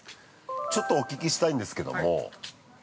◆ちょっとお聞きしたいんですけども。